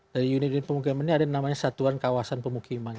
dan unit unit pemukiman ini ada yang namanya satuan kawasan pemukiman